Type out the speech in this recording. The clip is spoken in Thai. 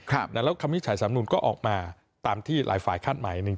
แล้วคำวิทย์สำรุนก็ออกมาตามที่หลายฝ่ายคาดหมาย